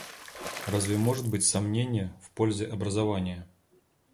Разве может быть сомнение в пользе образования?